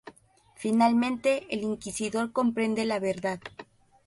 Finalmente, el Inquisidor comprende la verdad.